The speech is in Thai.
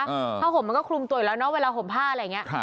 ผ้าห่มมันก็คลุมตัวอยู่แล้วเนาะเวลาห่มผ้าอะไรอย่างนี้